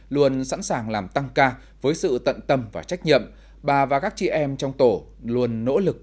luôn sẵn sàng làm tăng ca với sự tận tâm và trách nhiệm bà và các chị em trong tổ luôn nỗ lực